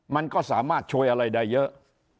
มันก็สามารถช่วยอะไรได้เยอะ